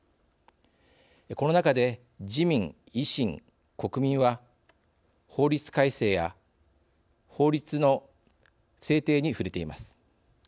この中で自民維新国民は法律改正や法律の制定に触れています。